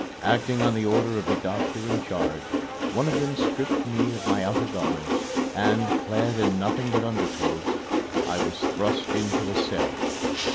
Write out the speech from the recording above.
Acting on the order of the doctor in charge, one of them stripped me of my outer garments; and, clad in nothing but underclothes, I was thrust into a cell.